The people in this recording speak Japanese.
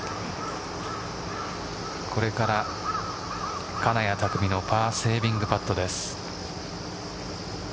これから金谷拓実のパーセービングパットです。